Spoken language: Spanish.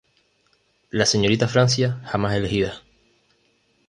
La señorita Francia jamás elegida.